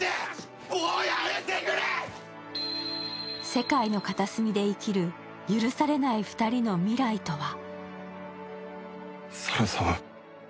世界の片隅で生きる許されない２人の未来とは？